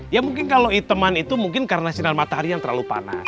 ya mungkin kalau iteman itu mungkin karena sinar matahari yang terlalu panas